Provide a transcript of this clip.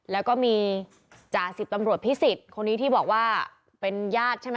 แล้วก็มีจ่าสิบตำรวจพิสิทธิ์คนนี้ที่บอกว่าเป็นญาติใช่ไหม